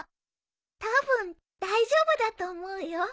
たぶん大丈夫だと思うよ。